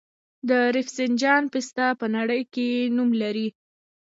د رفسنجان پسته په نړۍ کې نوم لري.